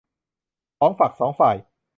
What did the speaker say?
สองฝักสองฝ่าย